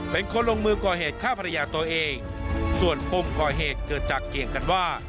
เป็นคนลงมือก่อเหตุฆ่าภรรยาตัวเองส่วนปมก่อเหตุเกิดจากเกี่ยงกันว่า